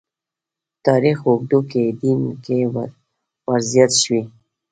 تاریخ اوږدو کې دین کې ورزیات شوي.